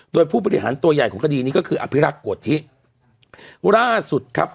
โดยผู้บริหารตัวใหญ่ของคดีนี้ก็คืออภิรักษ์โกธิล่าสุดครับ